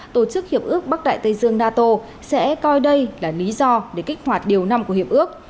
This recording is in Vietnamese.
tổ chức hiệp ước bắc đại tây dương nato sẽ coi đây là lý do để kích hoạt điều năm của hiệp ước